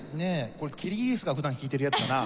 これキリギリスが普段弾いてるやつかな？